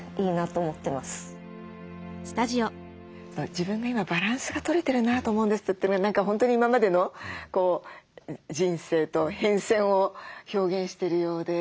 「自分が今バランスがとれてるなと思うんです」というのは本当に今までの人生と変遷を表現してるようで。